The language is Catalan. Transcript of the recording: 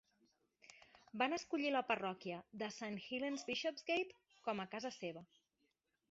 Van escollir la parròquia de Saint Helen's Bishopsgate com a casa seva.